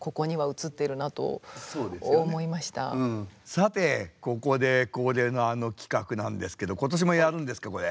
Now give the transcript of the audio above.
さてここで恒例のあの企画なんですけど今年もやるんですかこれ。